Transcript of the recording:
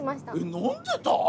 飲んでた？